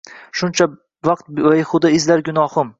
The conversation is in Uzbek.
Shuncha vaqt behuda izlar gunoyim.